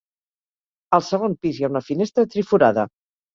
Al segon pis hi ha una finestra triforada.